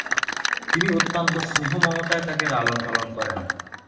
তিনি অত্যন্ত স্নেহ মমতায় তাকে লালন পালন করেন।